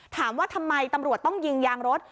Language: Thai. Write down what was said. ถามว่าทำไมตำรวจต้องยิงยางรถ